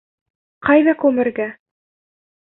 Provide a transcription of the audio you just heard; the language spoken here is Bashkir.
Ҡайҙа күмергә?